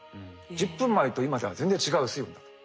１０分前と今では全然違う水温だと。